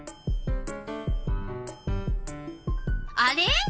あれ？